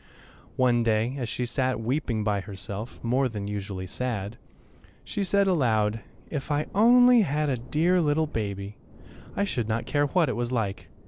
One day, as she sat weeping by herself, more than usually sad, she said aloud, "If I only had a dear little baby, I should not care what it was like.